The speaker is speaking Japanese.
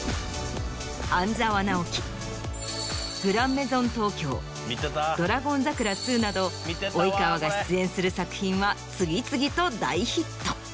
『半沢直樹』『グランメゾン東京』『ドラゴン桜２』など及川が出演する作品は次々と大ヒット。